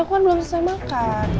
aku kan belum selesai makan